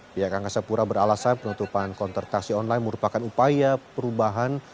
pihak angkasa pura beralasan penutupan konter taksi online merupakan upaya perubahan